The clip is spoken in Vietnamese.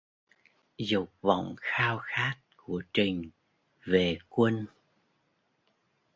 Dục vọng khao khát của trình về Quân